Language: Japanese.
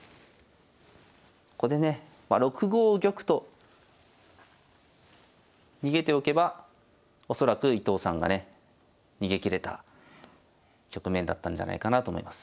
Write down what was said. ここでね６五玉と逃げておけば恐らく伊藤さんがね逃げきれた局面だったんじゃないかなと思います。